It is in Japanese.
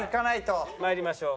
参りましょう。